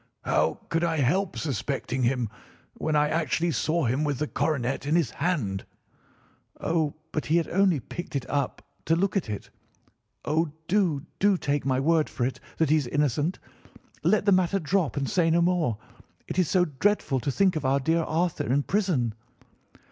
"How could I help suspecting him, when I actually saw him with the coronet in his hand?" "Oh, but he had only picked it up to look at it. Oh, do, do take my word for it that he is innocent. Let the matter drop and say no more. It is so dreadful to think of our dear Arthur in prison!"